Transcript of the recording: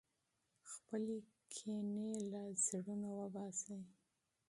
خپلې کینې له زړونو وباسئ.